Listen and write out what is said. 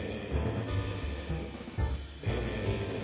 ええ。